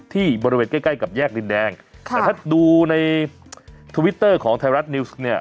ที่บริเวณใกล้ใกล้กับแยกดินแดงแต่ถ้าดูในทวิตเตอร์ของไทยรัฐนิวส์เนี่ย